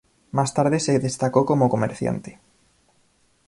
Más tarde se destacó como comerciante.